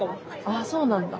あそうなんだ。